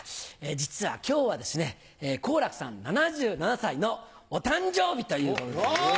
実は今日は好楽さん７７歳のお誕生日ということで。